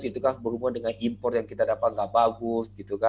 itu kan berhubungan dengan impor yang kita dapat nggak bagus